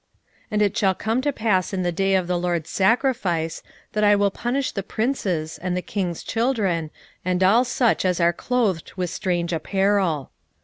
1:8 And it shall come to pass in the day of the LORD's sacrifice, that I will punish the princes, and the king's children, and all such as are clothed with strange apparel.